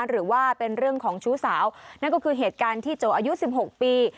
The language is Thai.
หรือว่าเป็นเรื่องของชู้สาวนั่นก็คือเหตุการณ์ที่โจอายุ๑๖ปี